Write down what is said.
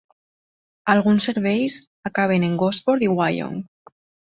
Alguns serveis acaben en Gosford i Wyong.